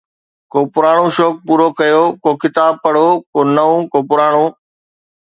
ڪو پراڻو شوق پورو ڪيو، ڪو ڪتاب پڙهو، ڪو نئون، ڪو پراڻو